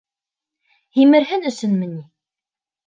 — Һимерһен өсөнмө ни?